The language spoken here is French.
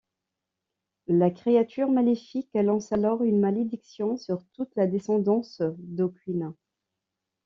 La créature maléfique lance alors une malédiction sur toute la descendance d'O'Queen.